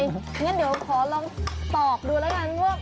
อย่างนั้นเดี๋ยวขอลองตอกดูแล้วกัน